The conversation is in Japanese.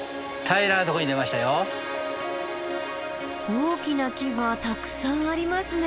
大きな木がたくさんありますね。